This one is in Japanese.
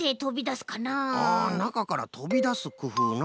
あなかからとびだすくふうな。